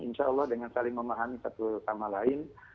insya allah dengan saling memahami satu sama lain